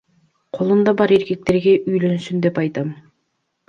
Колунда бар эркектерге үйлөнсүн деп айтам.